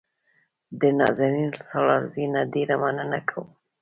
د نازنین سالارزي نه ډېره مننه کوم.